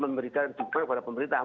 memberikan dukungan kepada pemerintahan